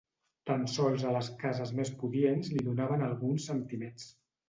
Tan sols a les cases més pudients li donaven alguns centimets.